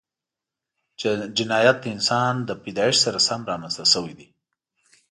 جنایت د انسان له پیدایښت سره سم رامنځته شوی دی